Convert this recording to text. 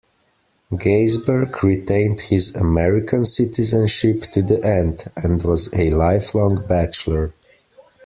Gaisberg retained his American citizenship to the end, and was a lifelong bachelor.